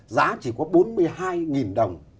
giá chỉ có bốn mươi hai đồng